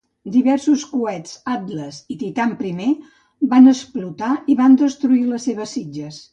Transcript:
Diversos coets Atlas i Titan I van explotar i van destruir les seves sitges.